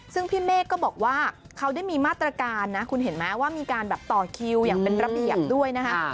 ซึ่งพี่เมฆก็บอกว่าเขาได้มีมาตรการนะคุณเห็นไหมว่ามีการแบบต่อคิวอย่างเป็นระเบียบด้วยนะคะ